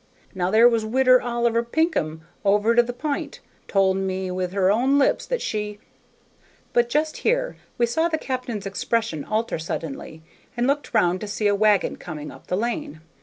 Now there was Widder Oliver Pinkham, over to the P'int, told me with her own lips that she " But just here we saw the captain's expression alter suddenly, and looked around to see a wagon coming up the lane.